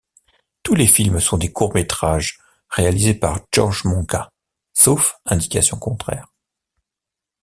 Tous les films sont des courts métrages réalisés par Georges Monca, sauf indication contraire.